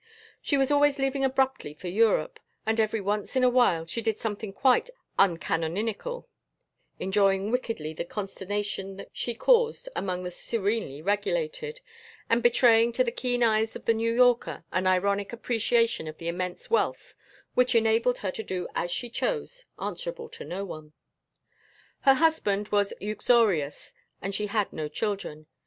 She was always leaving abruptly for Europe, and every once in a while she did something quite uncanonical; enjoying wickedly the consternation she caused among the serenely regulated, and betraying to the keen eyes of the New Yorker an ironic appreciation of the immense wealth which enabled her to do as she chose, answerable to no one. Her husband was uxorious and she had no children.